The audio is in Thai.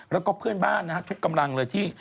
แล้วก็เพื่อนบ้านนะฮะทุกกำลังเลยที่